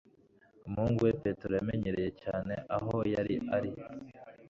Umuhungu we Petero yamenyereye cyane aho yari ari